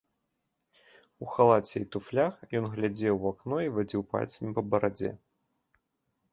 У халаце і туфлях, ён глядзеў у акно і вадзіў пальцамі па барадзе.